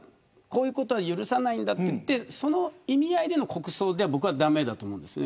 こういうことは許さないんだといってその意味合いでの国葬は僕は駄目だと思います。